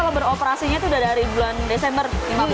kalau beroperasinya itu udah dari bulan desember lima belas